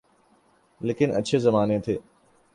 لیکن اچھے زمانے تھے۔